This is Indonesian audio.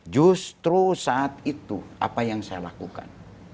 justru saat itu apa yang saya lakukan